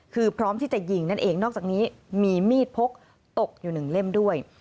คือพร้อมที่จะยิงนั่นเองนอกจากนี้มีมีดพกตกอยู่หนึ่งเล่มด้วย